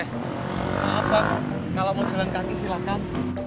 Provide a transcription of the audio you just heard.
maaf bang kalau mau jalan kaki silahkan